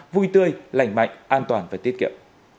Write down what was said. vui tươi lành mạnh an toàn và tiết kiệm